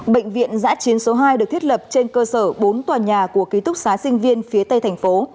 bệnh viện giã chiến số hai được thiết lập trên cơ sở bốn tòa nhà của ký túc xá sinh viên phía tây thành phố